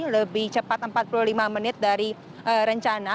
lebih cepat empat puluh lima menit dari rencana